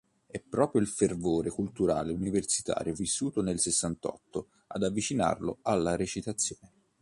È proprio il fervore culturale universitario vissuto nel Sessantotto ad avvicinarlo alla recitazione.